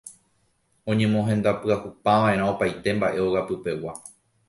oñemohendapyahupava'erã opaite mba'e ogapypegua